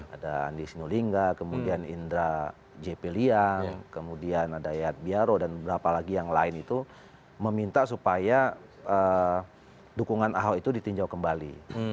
ada andi sinulinga kemudian indra jp liang kemudian ada yayat biaro dan beberapa lagi yang lain itu meminta supaya dukungan ahok itu ditinjau kembali